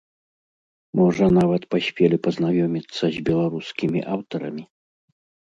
Можа нават паспелі пазнаёміцца з беларускімі аўтарамі?